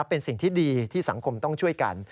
เป็นสิ่งที่ดีที่สังคมต้องช่วยกัน